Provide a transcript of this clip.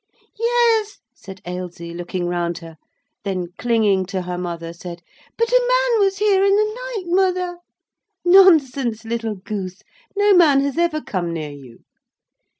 "Yes," said Ailsie, looking round her; then clinging to her mother, said, "but a man was here in the night, mother." "Nonsense, little goose. No man has ever come near you!"